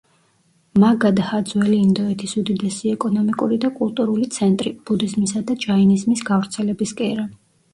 მაგადჰა ძველი ინდოეთის უდიდესი ეკონომიკური და კულტურული ცენტრი, ბუდიზმისა და ჯაინიზმის გავრცელების კერა.